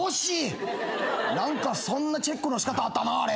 そんなチェックの仕方あったなあれ。